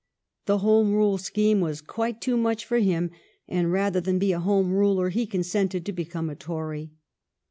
The Home Rule scheme was quite too much for him, and rather than be a Home Ruler he consented to become a Tory.